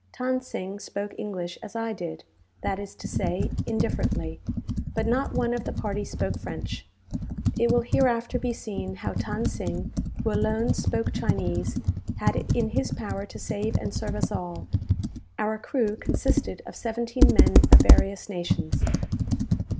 Than Sing spoke English as I did, that is to say, indifferently; but not one of the party spoke French. It will hereafter be seen how Than Sing, who alone spoke Chinese, had it in his power to save and serve us all. Our crew consisted of seventeen men of various nations.